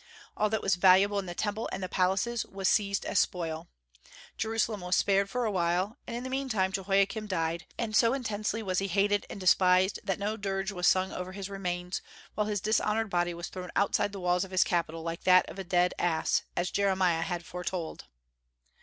All that was valuable in the Temple and the palaces was seized as spoil. Jerusalem was spared for a while; and in the mean time Jehoiakim died, and so intensely was he hated and despised that no dirge was sung over his remains, while his dishonored body was thrown outside the walls of his capital like that of a dead ass, as Jeremiah had foretold.